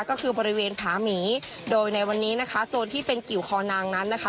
ก็คือบริเวณผาหมีโดยในวันนี้นะคะโซนที่เป็นกิวคอนางนั้นนะคะ